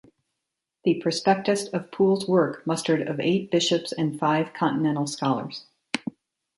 The prospectus of Poole's work mustered of eight bishops and five continental scholars.